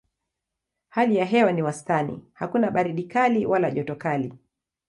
Hali ya hewa ni ya wastani: hakuna baridi kali wala joto kali.